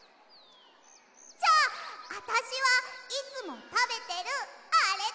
じゃああたしはいつもたべてるあれだ！